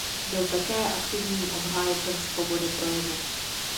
Byl také aktivním obhájcem svobody projevu.